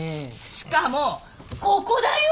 しかもここだよ？